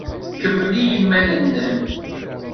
Kemmel i yiman-nnem.